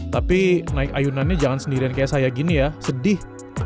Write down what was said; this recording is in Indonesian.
tapi naik ayunannya jangan sendirian kayak saya gini ya sedih